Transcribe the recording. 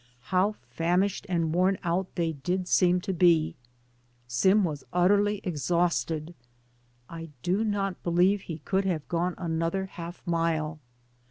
How famished and worn out they did seem to be. Sim was utterly exhausted. I do not believe he could have gone another half mile.